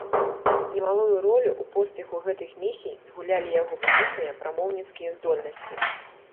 Немалую ролю ў поспеху гэтых місій згулялі яго выбітныя прамоўніцкія здольнасці.